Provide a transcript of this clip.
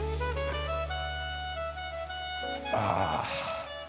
ああ。